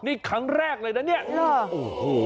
นี่ครั้งแรกเลยนะเนี่ยโอ้โห